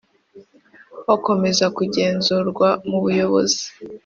bakomeza kugenzurwa mubuyobozi.